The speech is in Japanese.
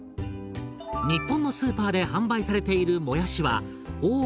日本のスーパーで販売されているもやしは大きく４種類。